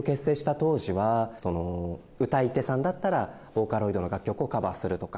歌い手さんだったらボーカロイドの楽曲をカバーするとか